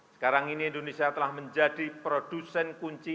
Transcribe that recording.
sekarang ini indonesia telah menjadi produsen kunci